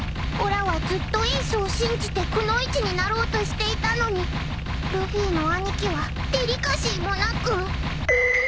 おらはずっとエースを信じてくノ一になろうとしていたのにルフィの兄貴はデリカシーもなく。